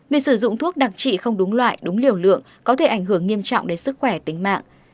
việc sử dụng thuốc đặc trị không đúng loại đúng liều lượng có thể ảnh hưởng nghiêm trọng đến sức khỏe tính mạng